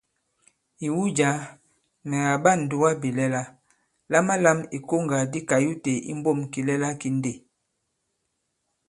Ìwu jǎ, mɛ̀ kàɓa ǹdugabìlɛla, lamalam ìkoŋgà di kayute i mbǒm kìlɛla ki ndê.